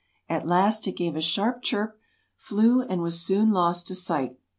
At last it gave a sharp chirp, flew, and was soon lost to sight.